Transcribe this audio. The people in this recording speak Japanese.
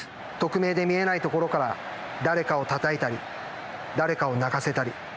匿名で見えないところから誰かをたたいたり誰かを泣かせたり。